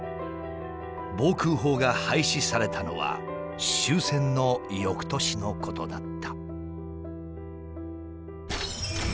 防空法が廃止されたのは終戦の翌年のことだった。